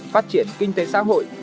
phát triển kinh tế xã hội